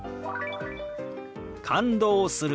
「感動する」。